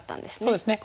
そうですね